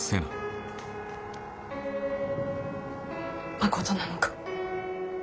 まことなのか。